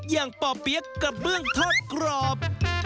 ป่อเปี๊ยกกระเบื้องทอดกรอบ